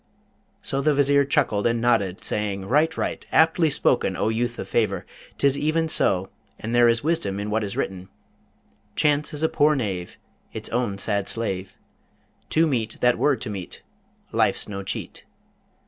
So the Vizier chuckled and nodded, saying, 'Right, right! aptly spoken, O youth of favour! 'Tis even so, and there is wisdom in what is written: "Chance is a poor knave; Its own sad slave; Two meet that were to meet: Life 's no cheat."'